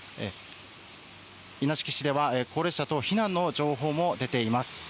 稲敷市では高齢者等避難の情報も出ています。